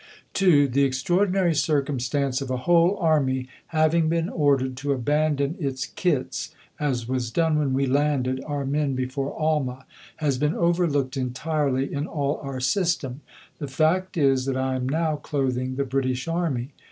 This is the "Palace Hospital." See above, p. 174. (2) The extraordinary circumstance of a whole army having been ordered to abandon its kits, as was done when we landed our men before Alma, has been overlooked entirely in all our system. The fact is, that I am now clothing the British Army.